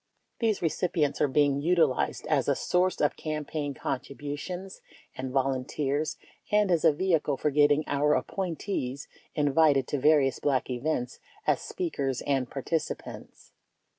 These recipients are being utilized as a source of campaign contributions and volunteers and as a vehicle for getting our appointees invited to various Black events as speakers and participants.